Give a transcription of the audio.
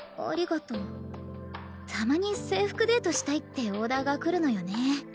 たまに制服デートしたいってオーダーが来るのよね。